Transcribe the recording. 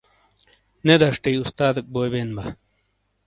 نےدشٹیی استادیک بوئی بین با ۔